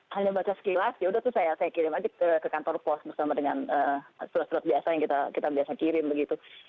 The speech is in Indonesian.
hanya baca sekilas yaudah tuh saya kirim aja ke kantor pos bersama dengan surat surat biasa yang kita biasa kirim begitu